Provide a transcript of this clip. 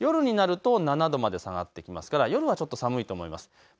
夜になると７度まで下がってきますから夜はちょっと寒いと思います。